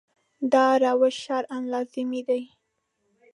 دا روش شرعاً لازمي دی.